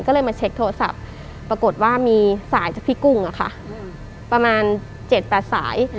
ก็เลยมาเช็คโทรศัพท์ปรากฏว่ามีสายจากพี่กุ้งประมาณ๗๘สาย